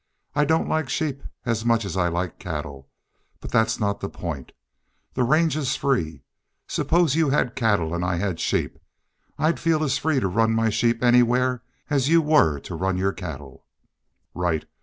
I don't like sheep as much as I like cattle. But that's not the point. The range is free. Suppose y'u had cattle and I had sheep. I'd feel as free to run my sheep anywhere as y'u were to ran your cattle." "Right.